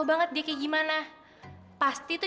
jadi rp tujuh ratus juta